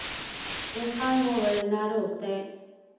دهقان وويل ناروغ دی.